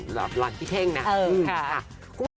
สถานการณ์ปัจจุบันทำให้หนูยิ่งยันคำตอบในใจหนูก็จะไม่มี